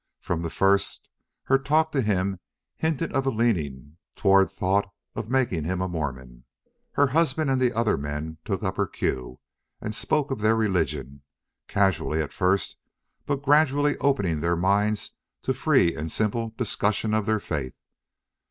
From the first her talk to him hinted of a leaning toward thought of making him a Mormon. Her husband and the other men took up her cue and spoke of their religion, casually at first, but gradually opening their minds to free and simple discussion of their faith.